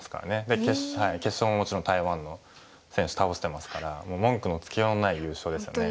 で決勝ももちろん台湾の選手倒してますからもう文句のつけようのない優勝ですよね。